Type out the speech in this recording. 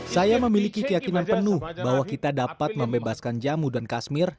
saya memiliki keyakinan penuh bahwa kita dapat membebaskan jamu dan kasmir